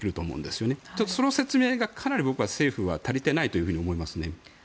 僕は、その説明がかなり、政府は足りていないと思いますね。